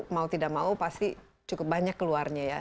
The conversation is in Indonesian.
mau tidak mau pasti cukup banyak keluarnya ya